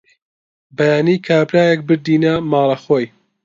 بەیانی کابرایەک بردینیە ماڵە خۆی